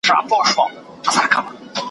او د مصري او هندي علماوو